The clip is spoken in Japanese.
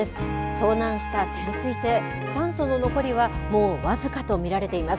遭難した潜水艇酸素の残り香も僅かと見られています。